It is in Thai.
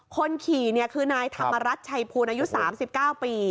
คนขี่คือนายธรรมรัฐชัยภูลอายุ๓๙ปี